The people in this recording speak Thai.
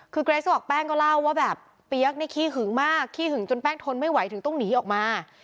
คือเกรสบอกแป้งก็เล่าว่าแบบเปี๊ยกนี่ขี้หึงมากขี้หึงจนแป้งทนไม่ไหวถึงต้องหนีออกมา